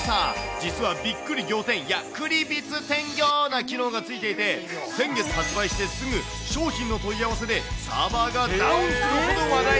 実はびっくり仰天、いや、クリビツテンギョーな機能がついていて、先月発売してすぐ、商品の問い合わせでサーバーがダウンするほど話題。